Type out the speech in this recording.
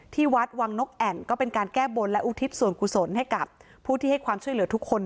ที่วัดวังนกแอ่นก็เป็นการแก้บนและอุทิศส่วนกุศลให้กับผู้ที่ให้ความช่วยเหลือทุกคน